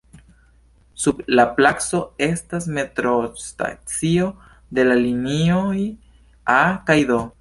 Sub la placo estas metrostacio de la linioj "A" kaj "D".